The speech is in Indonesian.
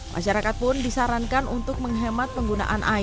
masyarakat pun disarankan untuk menghemat penggunaan air